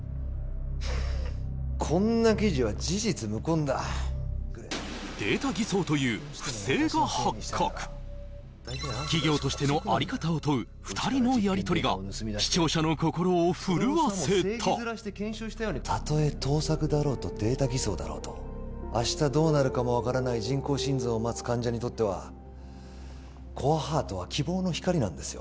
フッこんな記事は事実無根だという不正が発覚企業としてのあり方を問う２人のやり取りが視聴者の心を震わせたたとえ盗作だろうとデータ偽装だろうと明日どうなるかも分からない人工心臓を待つ患者にとってはコアハートは希望の光なんですよ